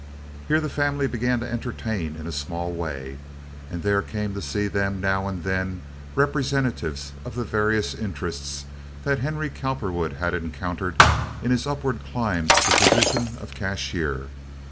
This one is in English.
Here the family began to entertain in a small way, and there came to see them, now and then, representatives of the various interests that Henry Cowperwood had encountered in his upward climb to the position of cashier.